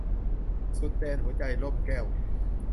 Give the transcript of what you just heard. สุดแดนหัวใจ - ร่มแก้ว